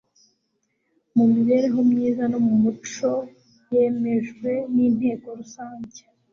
mu mibereho myiza no mu muco yemejwe n'inteko rusange